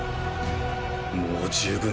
もう十分だ。